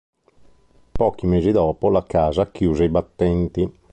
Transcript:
Pochi mesi dopo la Casa chiuse i battenti.